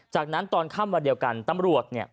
จากนั้นตอนข้ำวันเดียวกันตำรวจ